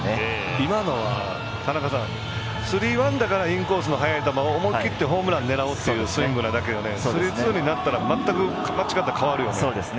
今のは、田中さんスリーワンだからインコースの速い球を思い切ってホームラン狙おうというスイングなだけでスリーツーになったら待ち方変わるよね。